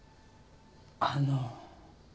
あの。